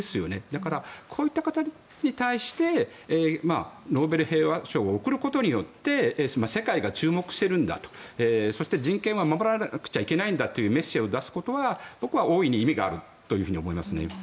だから、こういった方に対してノーベル平和賞を贈ることによって世界が注目しているんだとそして人権は守られなくちゃいけないんだというメッセージを出すことは僕は大いに意味があると思いますね。